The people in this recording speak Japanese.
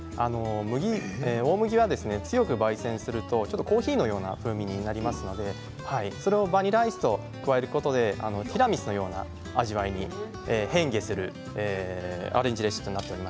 大麦は強くばい煎するとコーヒーのような風味になりますのでそれをバニラアイスを加えることでティラミスのような味わいに変化するアレンジレシピです。